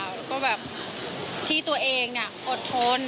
แล้วก็แบบที่ตัวเองอดทน